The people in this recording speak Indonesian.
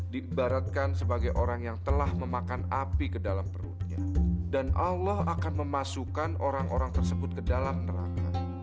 diibaratkan sebagai orang yang telah memakan api ke dalam perutnya dan allah akan memasukkan orang orang tersebut ke dalam neraka